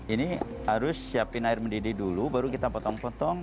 ini harus siapin air mendidih dulu baru kita potong potong